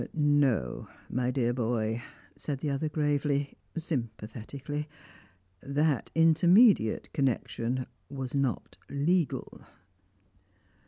"No, my dear boy," said the other gravely, sympathetically. "That intermediate connection was not legal."